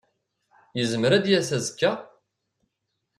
Yezmer ad d-yas azekka?